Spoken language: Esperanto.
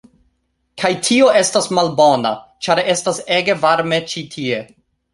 kaj tio estas malbona, ĉar estas ege varme ĉi tie